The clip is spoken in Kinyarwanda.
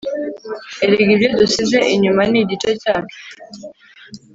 erega ibyo dusize inyuma ni igice cyacu